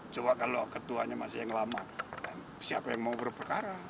coba kalau ketuanya masih yang lama dan siapa yang mau berperkara